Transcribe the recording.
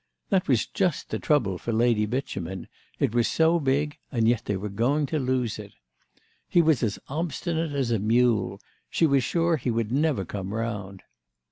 That was just the trouble for Lady Beauchemin, it was so big and yet they were going to lose it. He was as obstinate as a mule; she was sure he would never come round.